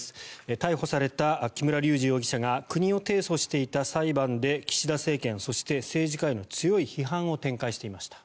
逮捕された木村隆二容疑者が国を提訴していた裁判で岸田政権、そして政治家への強い批判を展開していました。